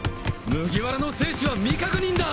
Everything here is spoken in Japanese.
麦わらの生死は未確認だ！